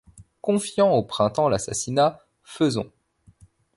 Confiant au printemps l'assassinat, faisons